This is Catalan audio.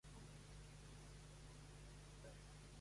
Ha tocat principalment amb Swans, Unsane i Foetus.